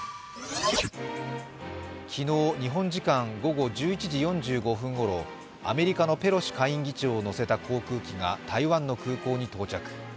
昨日日本時間午後１１時４５分ごろペロシ下院議長を乗せた航空機が台湾の空港に到着。